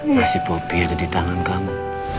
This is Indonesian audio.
nasib popi ada di tangan kamu